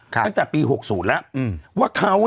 ครับ